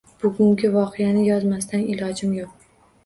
Bugungi voqeani yozmasdan ilojim yo`q